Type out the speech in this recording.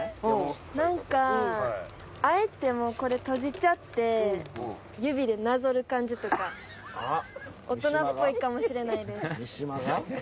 なんかあえてもうこれ閉じちゃって指でなぞる感じとか大人っぽいかもしれないです。